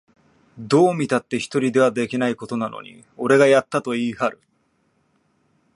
どう見たって一人ではできないことなのに、俺がやったと言いはる